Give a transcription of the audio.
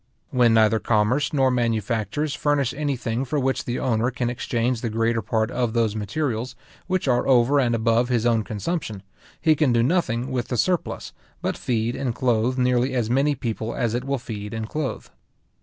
When neither commerce nor manufactures furnish any thing for which the owner can exchange the greater part of those materials which are over and above his own consumption, he can do nothing with the surplus, but feed and clothe nearly as many people as it will feed and clothe.